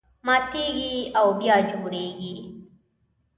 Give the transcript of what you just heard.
ماتېږي او بیا جوړېږي.